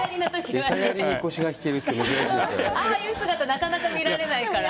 ああいう姿なかなか見られないから。